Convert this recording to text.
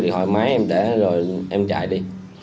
thì hỏi máy em để rồi em chạy đi